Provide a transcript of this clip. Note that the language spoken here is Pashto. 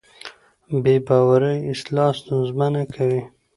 بې باورۍ اصلاح ستونزمنه کوي